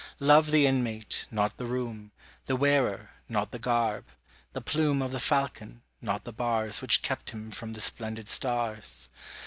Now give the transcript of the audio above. Love the inmate, not the room; The wearer, not the garb; the plume Of the falcon, not the bars Which kept him from the splendid stars.